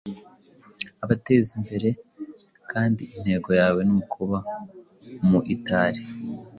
abatezimbere kandi intego yawe nukuba umuitari